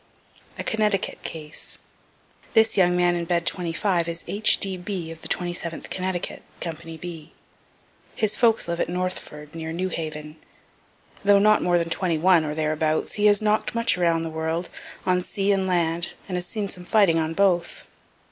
A CONNECTICUT CASE This young man in bed 25 is H. D. B. of the 27th Connecticut, company B. His folks live at Northford, near New Haven. Though not more than twenty one, or thereabouts, he has knock'd much around the world, on sea and land, and has seen some fighting on both.